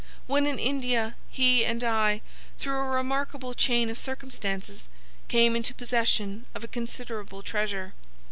When in India, he and I, through a remarkable chain of circumstances, came into possession of a considerable treasure.